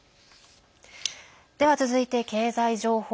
では、続いて経済情報。